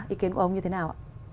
ý kiến của ông như thế nào ạ